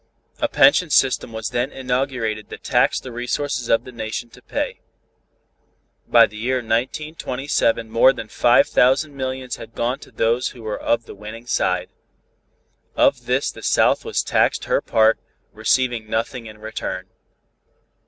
A pension system was then inaugurated that taxed the resources of the Nation to pay. By the year 1927 more than five thousand millions had gone to those who were of the winning side. Of this the South was taxed her part, receiving nothing in return.